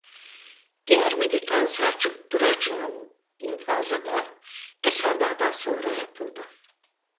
Diğer militan Selçuk Duracık'ın infazı da Esendağ'dan sonra yapıldı.